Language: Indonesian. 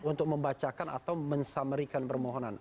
untuk membacakan atau mensamerikan permohonan